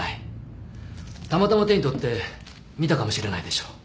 たまたま手に取って見たかもしれないでしょう。